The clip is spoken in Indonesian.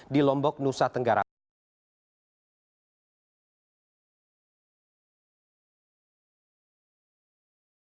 di lombok nusa tenggara jawa tenggara